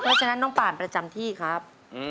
เพราะฉะนั้นน้องป่านประจำที่ครับ